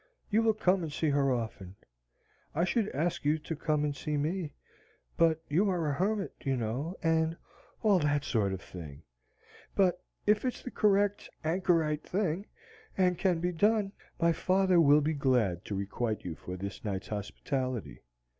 You will come and see her often. I should ask you to come and see me, but you are a hermit, you know, and all that sort of thing. But if it's the correct anchorite thing, and can be done, my father will be glad to requite you for this night's hospitality.